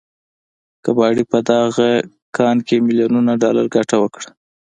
کباړي په دغه کان کې ميليونونه ډالر ګټه وكړه.